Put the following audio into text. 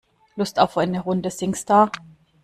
Lust auf eine Runde Singstar?